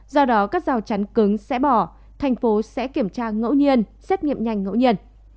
do đó các rào chắn cứng sẽ bỏ thành phố sẽ kiểm tra ngẫu nhiên xét nghiệm nhanh ngẫu nhiên